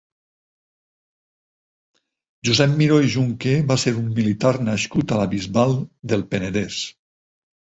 Josep Miró i Junqué va ser un militar nascut a la Bisbal del Penedès.